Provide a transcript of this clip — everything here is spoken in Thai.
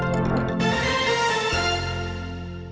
โปรดติดตามตอนต่อไป